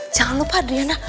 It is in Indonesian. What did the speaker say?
jangan lupa adriana